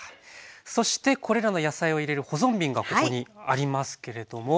そしてこれらの野菜を入れる保存瓶がここにありますけれども。